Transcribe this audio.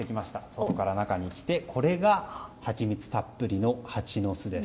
外から中に来てこれが、ハチミツたっぷりのハチの巣です。